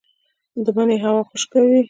د مني هوا خشکه وي